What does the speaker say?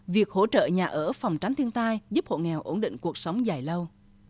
việc hỗ trợ nhà ở phòng tránh thiên tai giúp hộ nghèo ổn định cuộc sống dài lâu